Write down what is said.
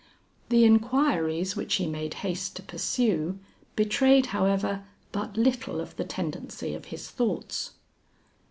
The inquiries which he made haste to pursue, betrayed, however, but little of the tendency of his thoughts.